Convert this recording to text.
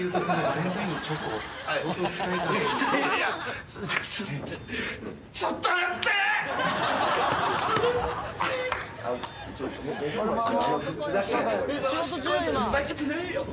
ふざけてねえよ。